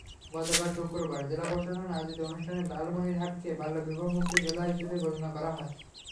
গতকাল শুক্রবার জেলা প্রশাসন আয়োজিত অনুষ্ঠানে লালমনিরহাটকে বাল্যবিবাহমুক্ত জেলা হিসেবে ঘোষণা করা হয়।